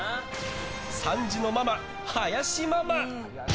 ３児のママ、林ママ。